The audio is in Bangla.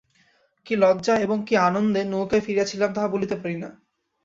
কী লজ্জায় এবং কী আনন্দে নৌকায় ফিরিয়াছিলাম তাহা বলিতে পারি না।